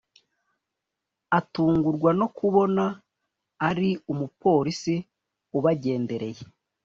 atungurwa nokubona ari umupolice ubagendereye.